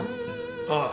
ああ。